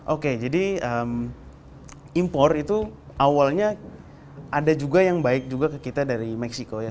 oke jadi impor itu awalnya ada juga yang baik juga ke kita dari meksiko ya